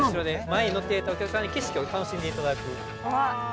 前に乗っていただいたお客さんに景色を楽しんでいただく。